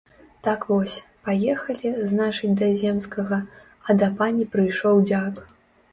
Так вось, паехалі, значыць, да земскага, а да пані прыйшоў дзяк.